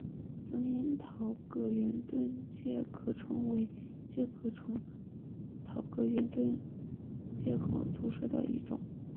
番樱桃葛圆盾介壳虫为盾介壳虫科桃葛圆盾介壳虫属下的一个种。